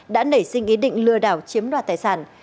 đã nảy sinh ý định lừa đảo chiếm đoạt tài sản